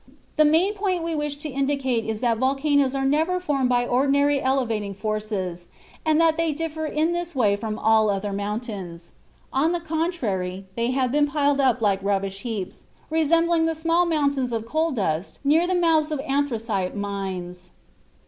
The main point we wish to indicate is that volcanoes are never formed by ordinary elevating forces and that they differ in this way from all other mountains. On the contrary, they have been piled up like rubbish heaps, resembling the small mountains of coal dust near the mouths of anthracite mines.